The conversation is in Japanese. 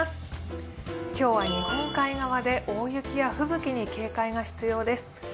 今日は日本海側で大雪や吹雪に注意が必要です。